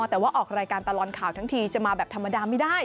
แต่ว่าออกรายการตลอดข่าวทั้งทีจะมาแบบธรรมดาไม่ได้